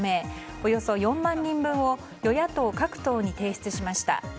およそ４万人分を与野党各党に提出しました。